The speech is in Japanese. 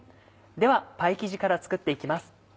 ではパイ生地から作っていきます。